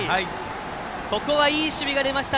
ここはいい守備が出ました。